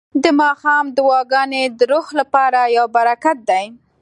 د ماښام دعاګانې د روح لپاره یو برکت دی.